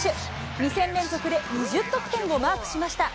２戦連続で２０得点をマークしました。